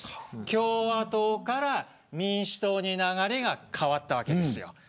共和党から民主党に流れが変わったわけですよ。